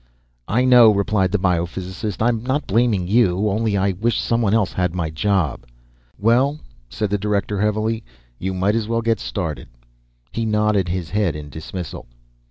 _" "I know," replied the biophysicist. "I'm not blaming you. Only I wish someone else had my job." "Well," said the Director, heavily. "You might as well get started." He nodded his head in dismissal.